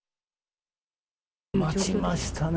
待ちましたね。